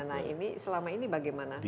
nah ini selama ini bagaimana dari sarana jaya